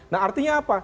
nah artinya apa